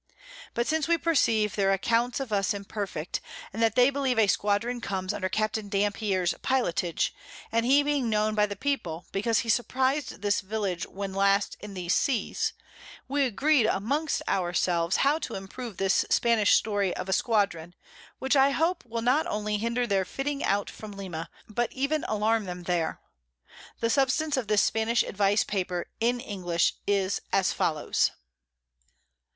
But since we perceive their Accounts of us imperfect, and that they believe a Squadron comes under Capt. Dampier's Pilotage, and he being known by the People, because he surprized this Village when last in these Seas; we agreed amongst our selves how to improve this Spanish Story of a Squadron, which I hope will not only hinder their fitting out from Lima, but even alarm them there. The Substance of this Spanish Advice Paper, in English, is as follows.